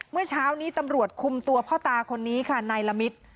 เมื่อเช้านี้ตำรวจคุมตัวพ่อตาคนนี้ค่ะนายละมิตร